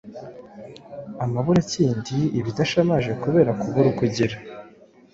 Amaburakindi Ibidashamaje kubera kubura uko ugira